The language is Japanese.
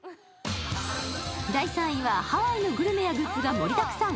第３位はハワイのグルメやグッズが盛りだくさん。